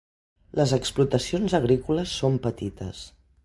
Les explotacions agrícoles són petites.